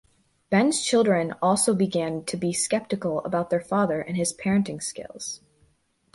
Ben’s children also began to be skeptical about their father and his parenting skills.